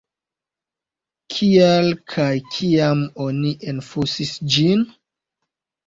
Kial kaj kiam oni enfosis ĝin?